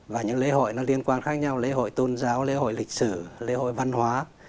và những lễ hội nó liên quan khác nhau lễ hội tôn giáo lễ hội lịch sử lễ hội văn hóa